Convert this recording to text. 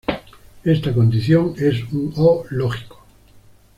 Esta condición es un O lógico.